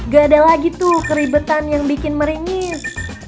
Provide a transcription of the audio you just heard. gak ada lagi tuh keribetan yang bikin meringis